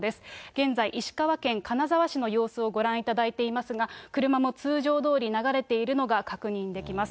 現在、石川県金沢市の様子をご覧いただいていますが、車も通常どおり流れているのが確認できます。